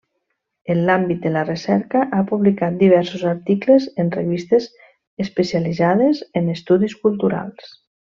En l’àmbit de la recerca, ha publicat diversos articles en revistes especialitzades en estudis culturals.